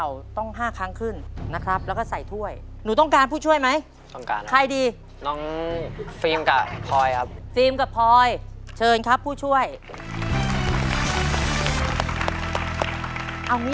เวลาที่หนูใส่กล่องเข้าไป